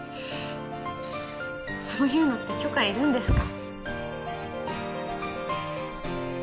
そういうのって許可いるんですか？